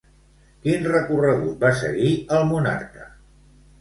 Quin recorregut va seguir el monarca?